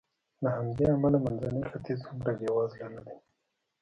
له همدې امله منځنی ختیځ هومره بېوزله نه دی.